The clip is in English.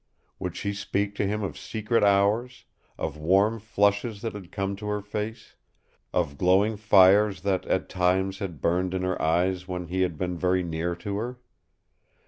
Would she speak to him of secret hours, of warm flushes that had come to her face, of glowing fires that at times had burned in her eyes when he had been very near to her?